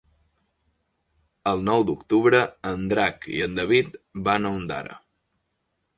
El nou d'octubre en Drac i en David van a Ondara.